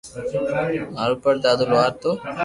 مارو پڙ دادو لوھار ھتو